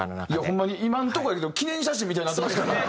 ホンマに今のとこやけど記念写真みたいになってますからね。